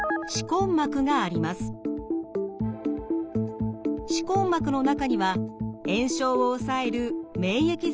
歯根膜の中には炎症を抑える免疫細胞がいます。